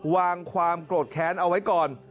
วางความโกรธแค้นเอาไว้ก่อน